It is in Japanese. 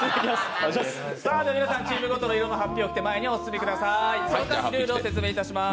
皆さん、チームごとの色のはっぴを着て前にお進みください。